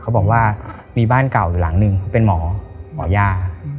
เขาบอกว่ามีบ้านเก่าอยู่หลังนึงเป็นหมอหมอย่า